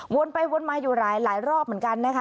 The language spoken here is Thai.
ไปวนมาอยู่หลายรอบเหมือนกันนะคะ